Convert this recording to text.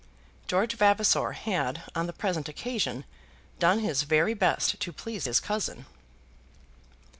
George Vavasor had on the present occasion done his very best to please his cousin.